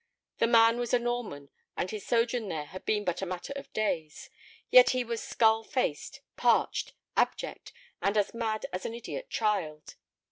The man was a Norman, and his sojourn there had been but a matter of days. Yet he was skull faced, parched, abject, and as mad as an idiot child.